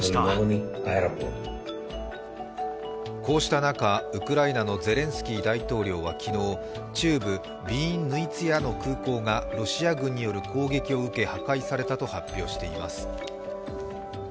こうした中、ウクライナのゼレンスキー大統領は昨日中部ヴィーンヌィツャの空港がロシア軍によく攻撃を受け破壊されたと発表しています。